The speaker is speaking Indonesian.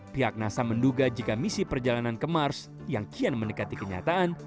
pihak nasa menduga jika misi perjalanan ke mars yang kian mendekati kenyataan